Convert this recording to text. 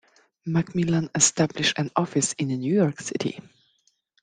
Macmillan established an office in New York City.